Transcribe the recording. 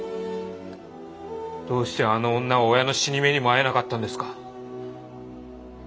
どうしてあの女は親の死に目にもあえなかったんですか？